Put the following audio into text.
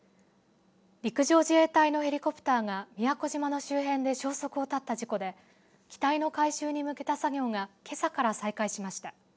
陸上自衛隊のヘリコプターが宮古島の周辺で消息を絶った事故で機体の回収に向けた作業がけさから再開しました。